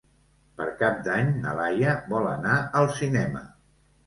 Per Cap d'Any na Laia vol anar al cinema.